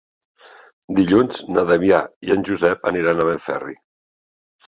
Dilluns na Damià i en Josep aniran a Benferri.